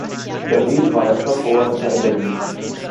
Daneben war er Stadtverordneter in Berlin.